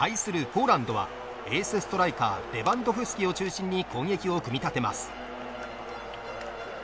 ポーランドはエースストライカーレバンドフスキを中心に攻撃を組み立てます。